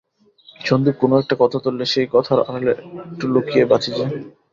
সন্দীপ কোনো-একটা কথা তুললে সেই কথার আড়ালে একটু লুকিয়ে বাঁচি যে।